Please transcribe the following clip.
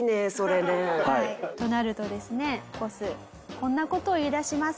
こんな事を言いだします。